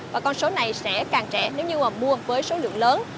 và con số này sẽ càng trẻ nếu như mà mua với số lượng lớn